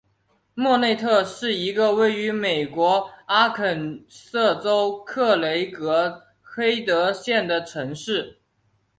莫内特是一个位于美国阿肯色州克雷格黑德县的城市。